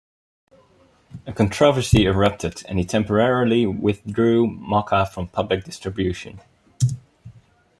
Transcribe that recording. A controversy erupted and he temporarily withdrew Mocha from public distribution.